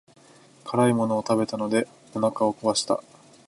辛いものを食べたのでお腹を壊した。